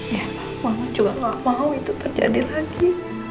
iya ma mama juga gak mau itu terjadi lagi